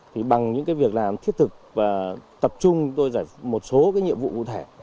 thì bằng những cái việc làm thiết thực và tập trung tôi giải một số cái nhiệm vụ cụ thể